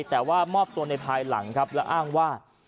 แต่ว่ามอบตัวในภายหลังครับและอ้างว่า